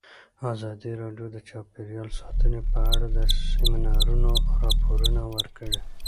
ازادي راډیو د چاپیریال ساتنه په اړه د سیمینارونو راپورونه ورکړي.